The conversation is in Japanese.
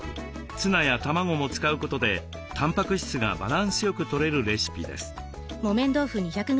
ツナや卵も使うことでたんぱく質がバランスよくとれるレシピです。